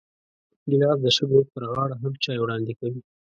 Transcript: ګیلاس د شګو پر غاړه هم چای وړاندې کوي.